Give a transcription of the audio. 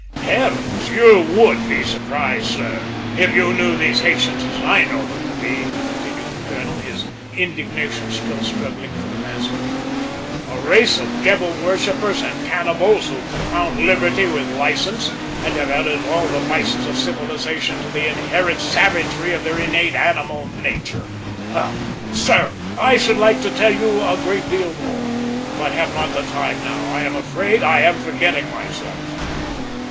"Heavens! you would be surprised, sir, if you knew these Haytians as I know them to be," continued the colonel, his indignation still struggling for the mastery "a race of devil worshippers and cannibals, who confound liberty with license, and have added all the vices of civilisation to the inherent savagery of their innate animal nature. Ah, sir, I should like to tell you a great deal more, but have not the time now. I am afraid I am forgetting myself.